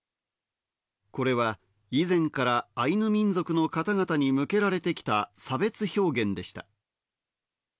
これは以前からアイヌ民族の方々に向けられてきた差別表現でした。